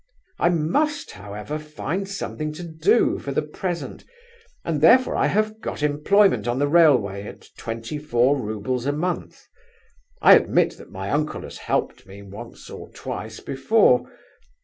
I must, however, find something to do for the present, and therefore I have got employment on the railway at twenty four roubles a month. I admit that my uncle has helped me once or twice before.